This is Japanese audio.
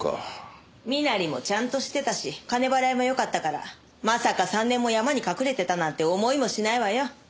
身なりもちゃんとしてたし金払いもよかったからまさか３年も山に隠れてたなんて思いもしないわよ。